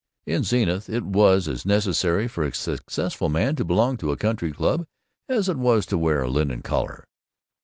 In Zenith it was as necessary for a Successful Man to belong to a country club as it was to wear a linen collar.